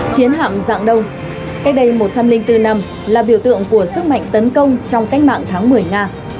chiến hạm dạng đông cách đây một trăm linh bốn năm là biểu tượng của sức mạnh tấn công trong cách mạng tháng một mươi nga